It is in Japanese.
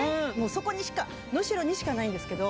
そこにしか、能代にしかないんですけど。